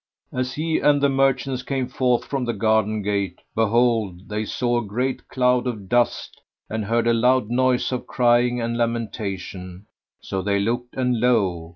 As he and the merchants came forth from the garden gate, behold, they saw a great cloud of dust and heard a loud noise of crying and lamentation; so they looked and lo!